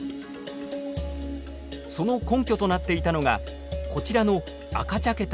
その根拠となっていたのがこちらの赤茶けた地層。